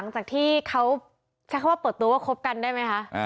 ใช้คำว่าเปิดตัวว่าครบกันได้ไหมคะ